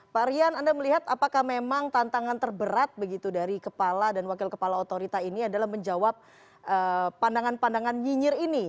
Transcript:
pak rian anda melihat apakah memang tantangan terberat begitu dari kepala dan wakil kepala otorita ini adalah menjawab pandangan pandangan nyinyir ini